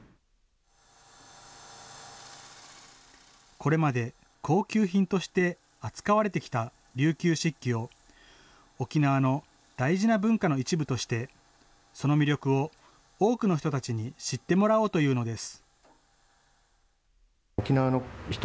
これまで高級品として扱われてきた琉球漆器を、沖縄の大事な文化の一部として、その魅力を多くの人たちに知ってもらおうというのです。